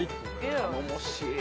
・頼もしい。